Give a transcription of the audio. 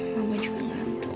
mama juga ngantuk nih